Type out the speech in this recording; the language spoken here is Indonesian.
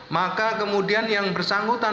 maka kemudian yang bersangkutan